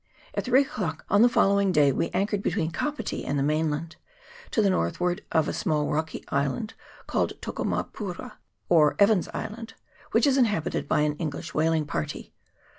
At three o'clock on the following day we anchored between Kapiti and the mainland, to the north ward of a small rocky island called Tokomapura, or Evans's Island, which is inhabited by an English whaling party.